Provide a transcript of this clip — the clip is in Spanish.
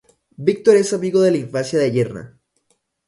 Víctor es amigo de la infancia de Yerma.